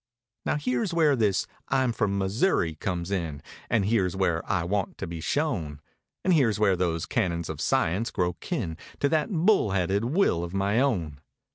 Now, here's where this "I'm from Missouri!" comes in. And here's where I want to be shown; And here's where those canons of science grow kin To that bull headed will of my own.